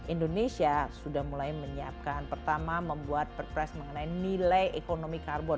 indonesia sudah mulai menyiapkan pertama membuat perpres mengenai nilai ekonomi karbon